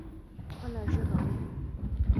خپله ژبه وټاکئ